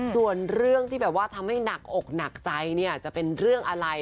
ส่วนเรื่องที่แบบว่าทำให้หนักอกหนักใจเนี่ยจะเป็นเรื่องอะไร